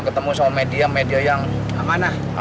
ketemu sama media media yang amanah